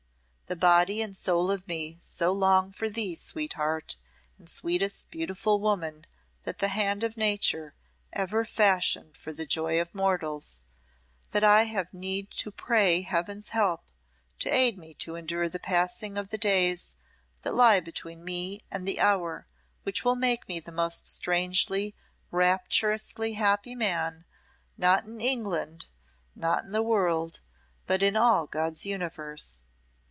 The body and soul of me so long for thee, sweetheart, and sweetest beautiful woman that the hand of Nature ever fashioned for the joy of mortals, that I have had need to pray Heaven's help to aid me to endure the passing of the days that lie between me and the hour which will make me the most strangely, rapturously, happy man, not in England, not in the world, but in all God's universe.